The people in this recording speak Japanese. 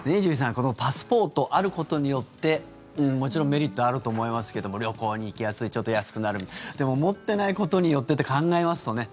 このパスポートあることによってもちろんメリットあると思いますけども旅行に行きやすいちょっと安くなるでも持ってないことによってって考えますとね。